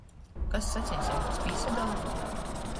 Kas saceņseibuos pīsadola?